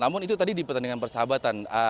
namun itu tadi di pertandingan persahabatan